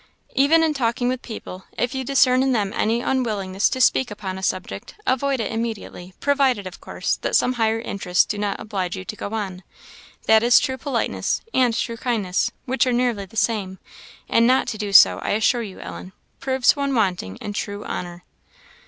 "Even in talking with people, if you discern in them any unwillingness to speak upon a subject, avoid it immediately, provided, of course, that some higher interest do not oblige you to go on. That is true politeness, and true kindness, which are nearly the same; and not to do so, I assure you, Ellen, proves one wanting in true honour."